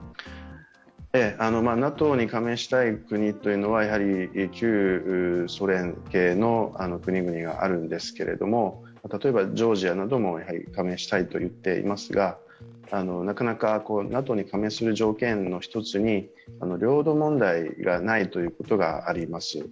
ＮＡＴＯに加盟したい国というのはやはり旧ソ連系の国々があるんですけれども例えばジョージアなども加盟したいと言っていますがなかなかＮＡＴＯに加盟する条件の一つに、領土問題がないということがあります。